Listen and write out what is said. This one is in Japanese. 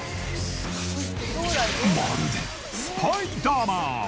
まるでスパイダーマン。